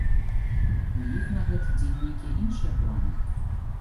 У іх на гэты дзень нейкія іншыя планы?